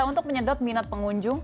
untuk menyedot minat pengunjung